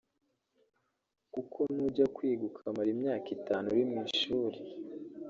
Kuko nujya kwiga ukamara imyaka itanu uri mu ishuri